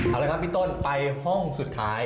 เอาละครับพี่ต้นไปห้องสุดท้าย